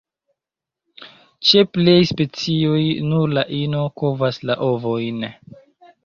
Ĉe plej specioj, nur la ino kovas la ovojn.